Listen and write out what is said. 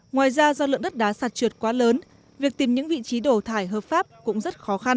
ngoài ra do lượng đất đá sạt trượt quá lớn việc tìm những vị trí đổ thải hợp pháp cũng rất khó khăn